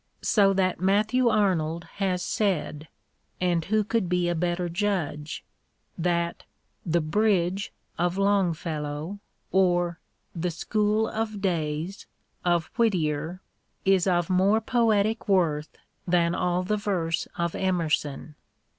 So that Matthew Arnold has said — and who could be a better judge ?— that " The Bridge " of Longfellow or "The School of Days" of ^^ittier is of more poetic worth than all the verse of Emerson.